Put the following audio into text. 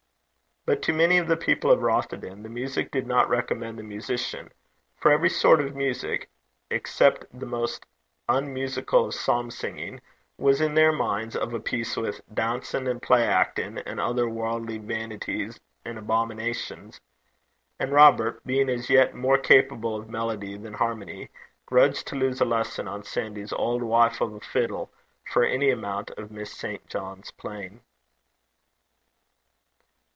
But to many of the people of Rothieden the music did not recommend the musician; for every sort of music, except the most unmusical of psalm singing, was in their minds of a piece with 'dancin' an' play actin', an' ither warldly vainities an' abominations.' And Robert, being as yet more capable of melody than harmony, grudged to lose a lesson on Sandy's 'auld wife o' a fiddle' for any amount of Miss St. John's playing.